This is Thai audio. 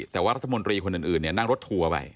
แต่ว่ารัฐมนตรีคนอื่นนั่งรถทัวร์ไป